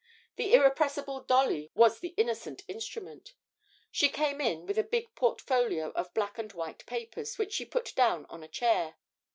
The irrepressible Dolly was the innocent instrument: she came in with a big portfolio of black and white papers, which she put down on a chair.